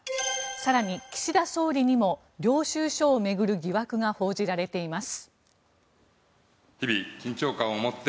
更に、岸田総理にも領収書を巡る疑惑が報じられています。